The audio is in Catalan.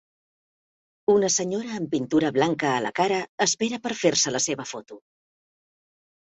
Una senyora amb pintura blanca a la cara espera per fer-se la seva foto.